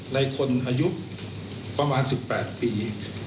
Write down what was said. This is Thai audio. ในคนอายุประมาณ๑๘ปี